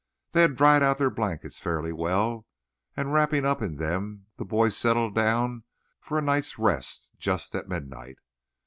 They had dried out their blankets fairly well, and wrapping up in them the boys settled down for a night's rest just at midnight.